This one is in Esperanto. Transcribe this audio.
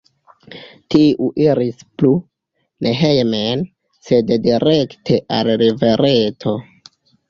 Tiu iris plu, ne hejmen, sed direkte al rivereto.